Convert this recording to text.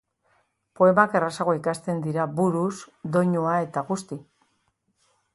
Poemak errazago ikasten dira buruz doinua eta guzti.